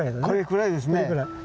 これくらいですね。